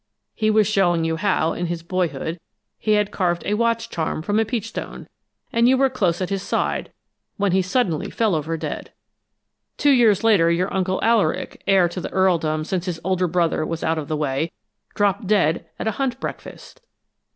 He was showing you how, in his boyhood, he had carved a watch charm from a peach stone, and you were close at his side when he suddenly fell over dead. Two years later, your Uncle Alaric, heir to the earldom since his older brother was out of the way, dropped dead at a hunt breakfast.